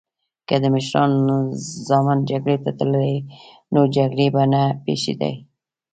که د مشرانو ځامن جګړی ته تللی نو جګړې به نه پیښیدی